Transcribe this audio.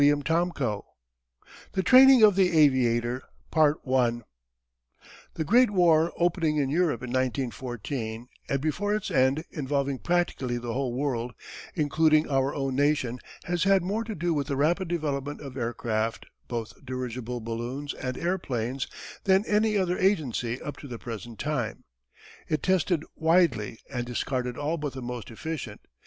CHAPTER VI THE TRAINING OF THE AVIATOR The Great War, opening in Europe in 1914 and before its end involving practically the whole world, including our own nation, has had more to do with the rapid development of aircraft, both dirigible balloons and airplanes, than any other agency up to the present time. It tested widely and discarded all but the most efficient.